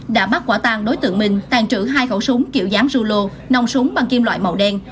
đã bắt quả tàn đối tượng minh tàn trữ hai khẩu súng kiểu giám rưu lô nòng súng bằng kim loại màu đen